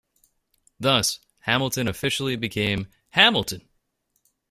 Thus, Hamilton officially became Hamilton!